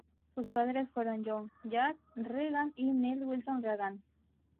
Sus padres fueron John "Jack" Reagan y Nelle Wilson Reagan.